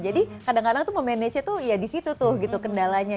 jadi kadang kadang tuh memanagenya tuh ya di situ tuh gitu kendalanya